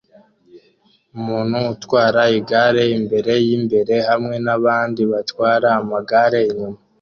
Umuntu utwara igare imbere yimbere hamwe nabandi batwara amagare inyuma